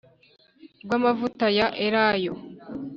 rw amavuta ya elayo